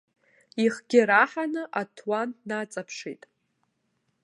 Ихгьы раҳаны аҭуан днаҵаԥшит.